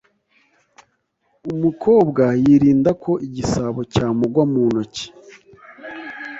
Umukobwa yirinda ko igisabo cyamugwa mu ntoki